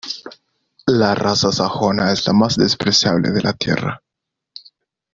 la raza sajona es la más despreciable de la tierra.